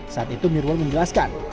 saat itu nirwan menjelaskan